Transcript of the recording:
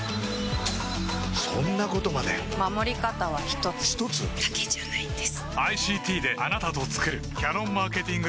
そんなことまで守り方は一つ一つ？だけじゃないんです